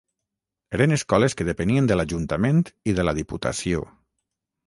Eren escoles que depenien de l'Ajuntament i de la Diputació.